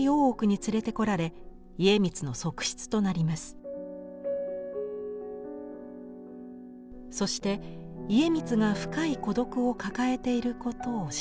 そして家光が深い孤独を抱えていることを知るのです。